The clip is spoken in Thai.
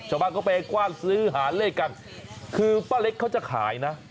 ชาวบ้านก็ไปกว้านซื้อหาเลขกันคือป้าเล็กเขาจะขายนะ